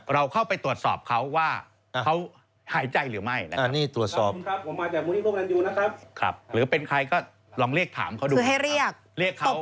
เราเข้าไปตรวจสอบเขาว่าเขาหายใจหรือไม่นะครับหรือเป็นใครก็ลองเรียกถามเขาดูนะครับ